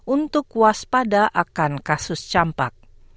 untuk waspada akan kasus campak